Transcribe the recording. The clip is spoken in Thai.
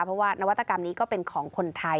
เพราะว่านวัตกรรมนี้ก็เป็นของคนไทย